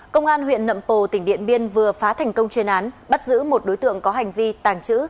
công an huyện nậm pồ tỉnh điện biên vừa phá thành công chuyên án bắt giữ một đối tượng có hành vi tàng trữ